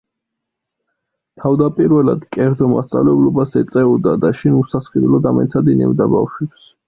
თავდაპირველად კერძო მასწავლებლობას ეწეოდა და შინ უსასყიდლოდ ამეცადინებდა ბავშვებს.